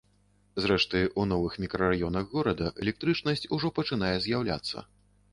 Зрэшты, у новых мікрараёнах горада электрычнасць ужо пачынае з'яўляцца.